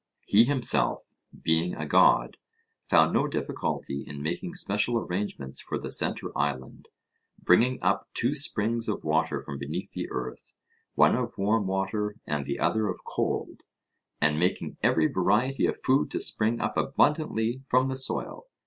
He himself, being a god, found no difficulty in making special arrangements for the centre island, bringing up two springs of water from beneath the earth, one of warm water and the other of cold, and making every variety of food to spring up abundantly from the soil.